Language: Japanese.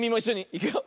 いくよ。